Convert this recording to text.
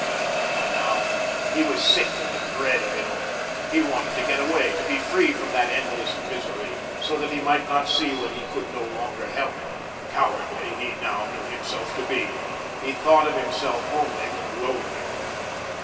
By now, he was sick with the dread of it all. He wanted to get away, to be free from that endless misery, so that he might not see what he could no longer help. Cowardly he now knew himself to be. He thought of himself only with loathing.